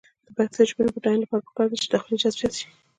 د پښتو ژبې د بډاینې لپاره پکار ده چې داخلي جذب زیات شي.